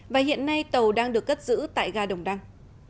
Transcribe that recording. và hiện nay tàu đang được cất giữ tại ga đồng đăng